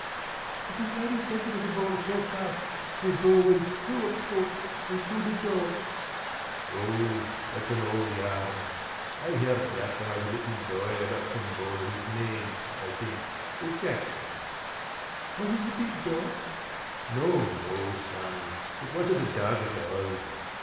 p> "Because Laddie said there was a bowler so fast that his ball went frue a coat and killed a dog." "Oh, that's an old yarn. I heard that when I was a little boy about some bowler whose name, I think, was Jackson." "Was it a big dog?" "No, no, son; it wasn't a dog at all."